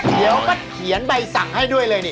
เดี๋ยวก็เขียนใบสั่งให้ด้วยเลยนี่